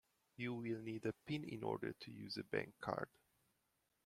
You will need a pin in order to use a bankcard